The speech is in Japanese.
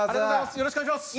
よろしくお願いします。